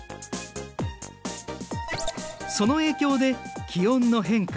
その影響で気温の変化